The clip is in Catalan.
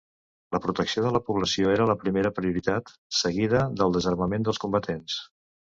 La protecció de la població era la primera prioritat, seguida del desarmament dels combatents.